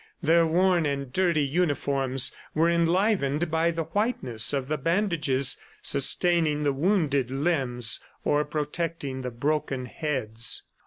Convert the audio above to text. Their worn and dirty uniforms were enlivened by the whiteness of the bandages sustaining the wounded limbs or protecting the broken heads.